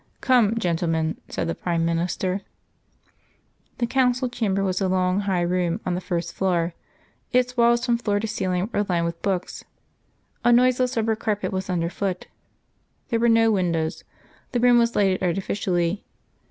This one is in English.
"Come, gentlemen," said the Prime Minister. The Council Chamber was a long high room on the first floor; its walls from floor to ceiling were lined with books. A noiseless rubber carpet was underfoot. There were no windows; the room was lighted artificially.